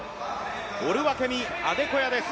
オルワケミ・アデコヤです。